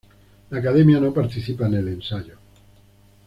La Academia no participa en el ensayo.